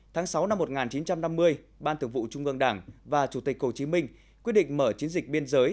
tháng sáu năm một nghìn chín trăm năm mươi ban thượng vụ trung ương đảng và chủ tịch hồ chí minh quyết định mở chiến dịch biên giới